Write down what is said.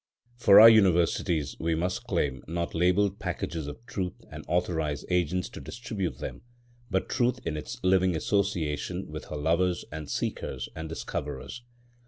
For our Universities we must claim, not labelled packages of truth and authorised agents to distribute them, but truth in its living association with her lovers and seekers and discoverers.